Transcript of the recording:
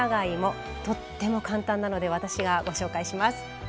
とっても簡単なので私がご紹介します。